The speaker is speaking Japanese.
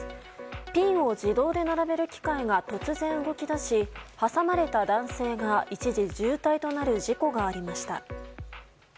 ピンを自動で並べる機械が突然動き出し挟まれた男性が一時重体となる事故がありました。